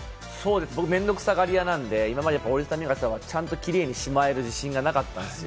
僕、面倒くさがり屋なので、今まで折りたたみ傘をちゃんとキレイにしまえる自信がなかったんですよ。